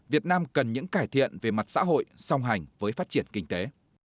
việt nam cần những cải thiện về mặt xã hội song hành với phát triển kinh tế